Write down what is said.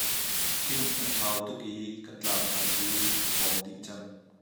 Thing an hau tuk i kan tlang hna cu an kawng dih cang.